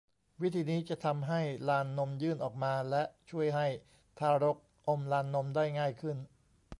วิธีนี้จะทำให้ลานนมยื่นออกมาและช่วยให้ทารกอมลานนมได้ง่ายขึ้น